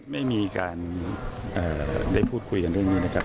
ไม่มีการได้พูดคุยกันเรื่องนี้นะครับ